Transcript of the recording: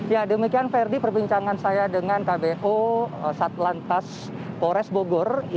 ya demikian verdi perbincangan saya dengan kbo saat lantas pores bogor